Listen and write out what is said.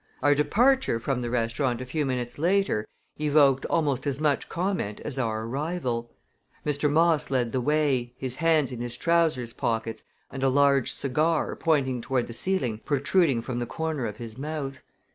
Our departure from the restaurant a few minutes later evoked almost as much comment as our arrival. Mr. Moss led the way, his hands in his trousers pockets and a large cigar, pointing toward the ceiling, protruding from the corner of his mouth.